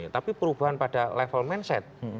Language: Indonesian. tapi perubahan pada level mindset